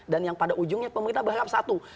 dan yang pada ujungnya pemerintah berharap satu